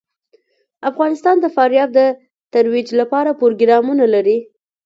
افغانستان د فاریاب د ترویج لپاره پروګرامونه لري.